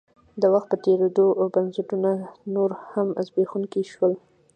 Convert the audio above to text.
د وخت په تېرېدو بنسټونه نور هم زبېښونکي شول.